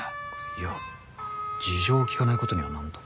いや事情を聞かないことには何とも。